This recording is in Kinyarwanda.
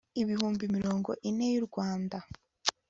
ibihumbi mirongo ine y u Rwanda